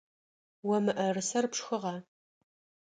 О мыӏэрысэр пшхыгъа?